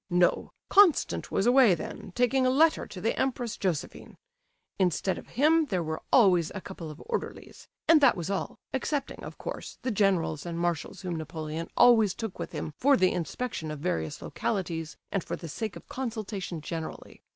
"No; Constant was away then, taking a letter to the Empress Josephine. Instead of him there were always a couple of orderlies—and that was all, excepting, of course, the generals and marshals whom Napoleon always took with him for the inspection of various localities, and for the sake of consultation generally.